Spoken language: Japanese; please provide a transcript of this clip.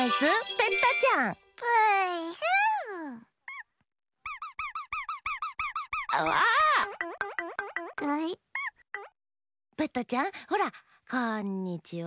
ペッタちゃんほらこんにちはダァー！